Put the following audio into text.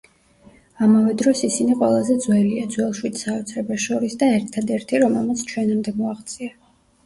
ამავე დროს, ისინი ყველაზე ძველია ძველ შვიდ საოცრებას შორის და ერთადერთი, რომელმაც ჩვენამდე მოაღწია.